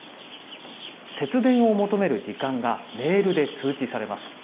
節電を求める時間がメールで通知されます。